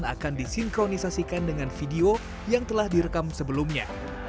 akan disinkronisasikan dengan video yang telah direkam sebelumnya